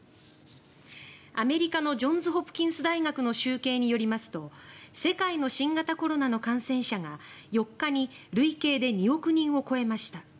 アメリカのジョンズ・ホプキンス大学の集計によりますと世界の新型コロナの感染者が４日に累計で２億人を越えました。